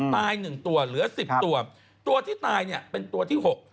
ตาย๑ตัวเหลือ๑๐ตัวตัวที่ตายเป็นตัวที่๖